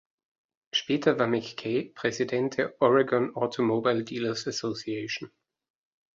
Später war McKay Präsident der Oregon Automobile Dealer's Association.